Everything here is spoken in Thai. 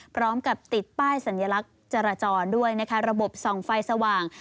พร้อมกับติดป้ายสัญลักษณ์จราจรด้วยนะคะระบบส่องไฟสว่าง